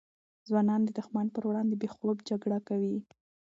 ځوانان د دښمن پر وړاندې بې خوف جګړه کوي.